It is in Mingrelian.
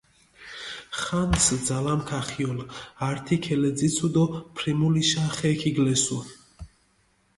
ხანს ძალამქ ახიოლ, ართი ქელეძიცუ დო ფრიმულიშა ხე ქიგლესუ.